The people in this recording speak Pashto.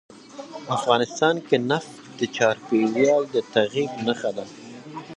افغانستان کې نفت د چاپېریال د تغیر نښه ده.